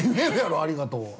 ありがとうは。